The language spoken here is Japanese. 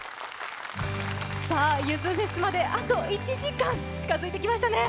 さあ、ゆずフェスまであと１時間近づいてきましたね。